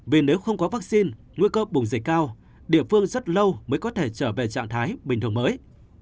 vì nếu không có vaccine nguy cơ bùng dịch cao địa phương rất lâu mới có thể trở về trạng thái bình thường mới